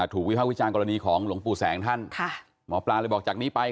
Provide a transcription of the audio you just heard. วิภาควิจารณกรณีของหลวงปู่แสงท่านค่ะหมอปลาเลยบอกจากนี้ไป